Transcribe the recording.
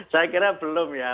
saya kira belum ya